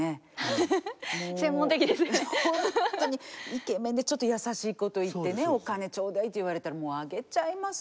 イケメンでちょっと優しいこと言ってね「お金頂戴」って言われたらもう上げちゃいます